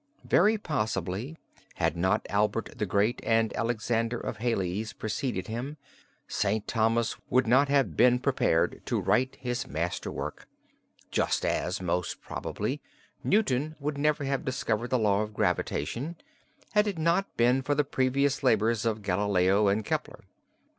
Very possibly had not Albert the Great and Alexander (of Hales) preceded him, St. Thomas would not have been prepared to write his master work; just as, most probably, Newton would never have discovered the law of gravitation had it not been for the previous labors of Galileo and of Kepler.